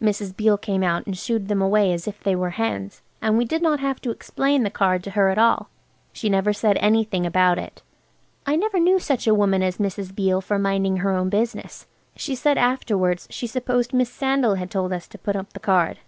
Mrs. Beale came out and shoo ed them away as if they were hens. And we did not have to explain the card to her at all. She never said anything about it. I never knew such a woman as Mrs. Beale for minding her own business. She said afterwards she supposed Miss Sandal had told us to put up the card.